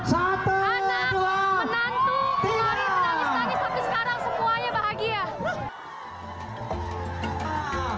anak menantu keluarga penagis penagis tapi sekarang semuanya bahagia